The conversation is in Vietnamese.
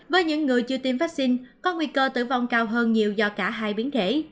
với những người chưa tiêm vaccine có nguy cơ tử vong cao hơn nhiều do cả hai biến thể